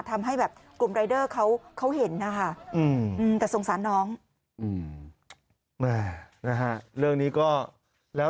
ทำให้แบบกลุ่มรายเดอร์เขาเห็นนะคะ